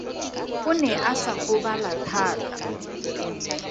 O ne a sa gobala thata.